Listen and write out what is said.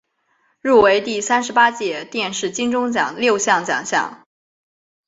入围第三十八届电视金钟奖六项奖项。